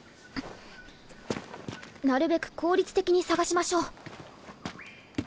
なるべく効率的に探しましょう。